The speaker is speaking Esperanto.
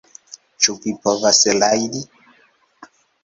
Ĉu vi povas rajdi?